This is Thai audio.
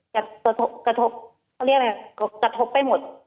กระทบไปหมดทุกฝ่ายค่ะทั้งครอบครัวทั้งตัวมันเองตัวเราเอง